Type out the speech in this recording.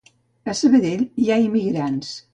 A Sabadell hi ha immigrants